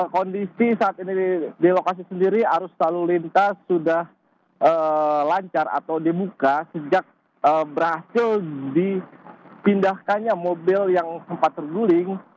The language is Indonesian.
kondisi saat ini di lokasi sendiri arus lalu lintas sudah lancar atau dibuka sejak berhasil dipindahkannya mobil yang sempat terguling